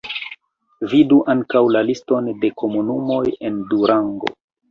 Vidu ankaŭ la liston de komunumoj en Durango.